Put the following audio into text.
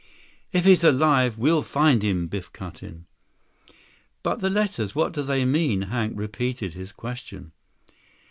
"If he's alive, we'll find him," Biff cut in. "But the letters, what do they mean?" Hank repeated his question.